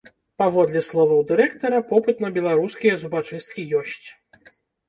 Паводле словаў дырэктара, попыт на беларускія зубачысткі ёсць.